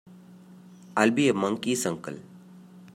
I'll be a monkey's uncle!